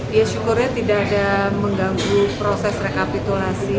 dia syukurnya tidak ada mengganggu proses rekapitulasi